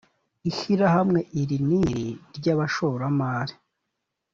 ishyirahamwe iri n iri ry abashoramari